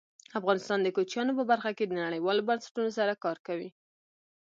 افغانستان د کوچیانو په برخه کې نړیوالو بنسټونو سره کار کوي.